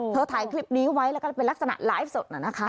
ถ่ายคลิปนี้ไว้แล้วก็เป็นลักษณะไลฟ์สดน่ะนะคะ